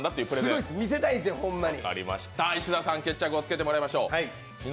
すごいです、見せたいんですよ、ほんまに。